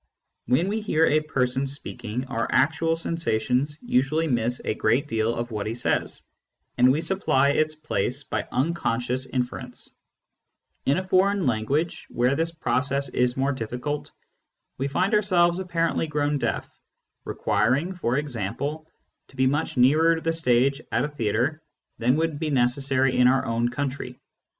When we hear a person speaking, our actual sensations usually miss a great deal of what he says, and we supply its place by unconscious inference ; in a foreign language, where this process is more difficult, we find ourselves apparently grown deaf, requiring, for example, to be much nearer the stage at a theatre than Digitized by Google THE EXTERNAL WORLD 69 would be necessary in our own country.